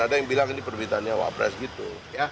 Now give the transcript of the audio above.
ada yang bilang ini permintaan wakil presiden gitu